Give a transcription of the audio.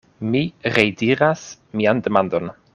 Mi rediras mian demandon.